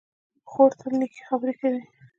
خور تل نېکې خبرې کوي.